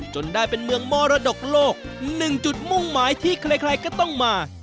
จนได้เป็นเมืองมรดกโลกหนึ่งจุดมุ่งหมายที่ใครก็ต้องมา